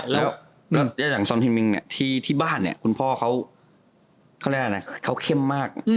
และอย่างศนฮึงมิ้นที่บ้านเนี่ยคุณพ่อเขาเข้มมาก